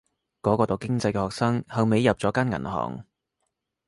嗰個讀經濟嘅學生後尾入咗間銀行